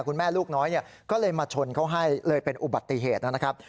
ลูกน้อยก็เลยมาชนเขาให้เลยเป็นอุบัติเหตุนะครับ